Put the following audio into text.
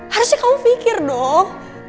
harusnya kamu pikir dong